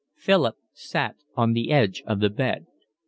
Philip sat on the edge of the bed.